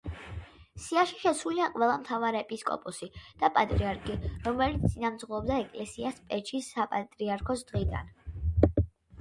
სიაში შესულია ყველა მთავარეპისკოპოსი და პატრიარქი, რომელიც წინამძღოლობდა ეკლესიას პეჩის საპატრიარქოს დღიდან.